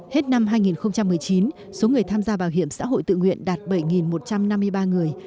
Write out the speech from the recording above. hết năm hai nghìn một mươi chín số người tham gia bảo hiểm xã hội tự nguyện đạt bảy một trăm năm mươi ba người